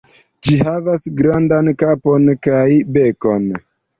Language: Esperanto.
Ĝi havas grandan kapon kaj bekon.